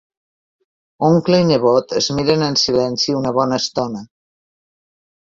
Oncle i nebot es miren en silenci una bona estona.